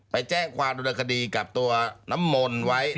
ไปแจ้งความดำเนินคดีกับตัวน้ำมนต์ไว้